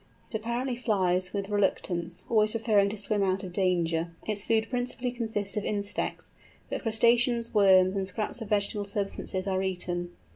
It apparently flies with reluctance, always preferring to swim out of danger. Its food principally consists of insects, but crustaceans, worms, and scraps of vegetable substances are eaten.